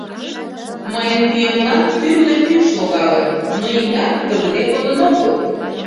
Мыйын пуэмлан тӱрлӧ пӱкш логалын, но иктат пудыргыде кодын огыл.